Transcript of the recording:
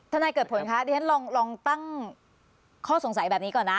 นายเกิดผลคะเดี๋ยวฉันลองตั้งข้อสงสัยแบบนี้ก่อนนะ